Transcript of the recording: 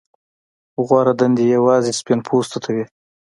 غوره دندې یوازې سپین پوستو ته وې.